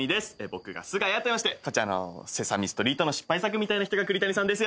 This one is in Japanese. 僕がすがやといいましてこちらの『セサミストリート』の失敗作みたいな人が栗谷さんです。